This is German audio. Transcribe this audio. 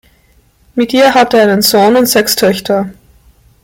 Mit ihr hatte er einen Sohn und sechs Töchter.